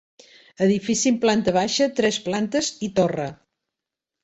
Edifici amb planta baixa, tres plantes i torre.